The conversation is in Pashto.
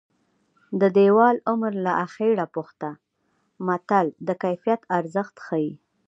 د دېوال عمر له اخېړه پوښته متل د کیفیت ارزښت ښيي